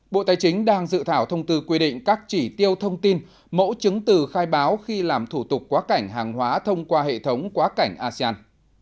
bộ tài chính đang dự thảo thông tư quy định các chỉ tiêu thông tin mẫu chứng từ khai báo khi làm thủ tục quá cảnh hàng hóa thông qua hệ thống quá cảnh asean